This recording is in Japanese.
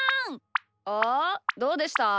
おおどうでした？